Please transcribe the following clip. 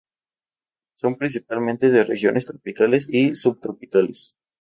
Son principalmente de regiones tropicales y subtropicales.